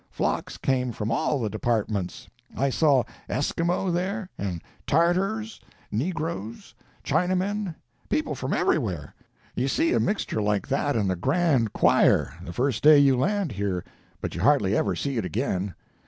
Flocks came from all the departments. I saw Esquimaux there, and Tartars, Negroes, Chinamen—people from everywhere. You see a mixture like that in the Grand Choir, the first day you land here, but you hardly ever see it again.